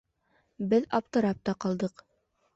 Беҙ аптырап та ҡалдыҡ.